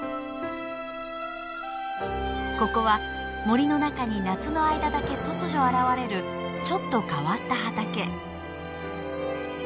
ここは森の中に夏の間だけ突如現れるちょっと変わった畑。